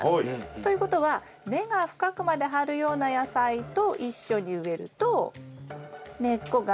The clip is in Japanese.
ということは根が深くまで張るような野菜と一緒に植えると根っこが。